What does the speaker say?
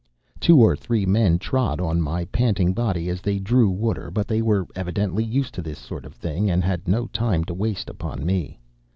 Two or three men trod on my panting body as they drew water, but they were evidently used to this sort of thing, and had no time to waste upon me.